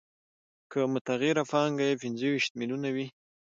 که متغیره پانګه یې پنځه ویشت میلیونه وي